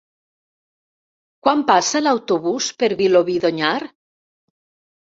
Quan passa l'autobús per Vilobí d'Onyar?